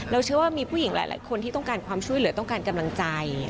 เชื่อว่ามีผู้หญิงหลายคนที่ต้องการความช่วยเหลือต้องการกำลังใจ